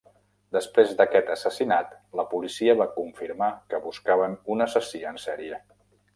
Després d'aquest assassinat, la policia va confirmar que buscaven un assassí en sèrie.